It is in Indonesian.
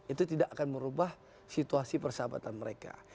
itu tidak akan merubah situasi persahabatan mereka